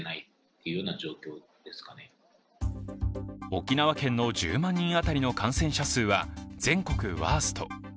沖縄県の１０万人当たりの感染者数は全国ワースト。